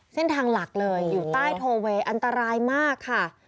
เส้นทางหลักเลยอยู่ใต้โทเวย์อันตรายมากค่ะ